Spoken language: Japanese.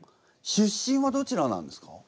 出身はどちらなんですか？